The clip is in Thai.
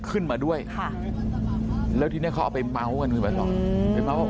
ขึ้นมาด้วยค่ะแล้วทีนี้เขาเอาไปเม้ากันคือแบบนั้น